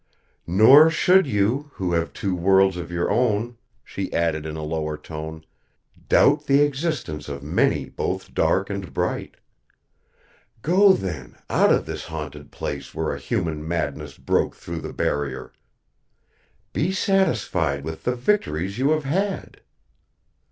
"Nor should you, who have two worlds of your own," she added in a lower tone, "doubt the existence of many both dark and bright. Go, then, out of this haunted place where a human madness broke through the Barrier. Be satisfied with the victories you have had.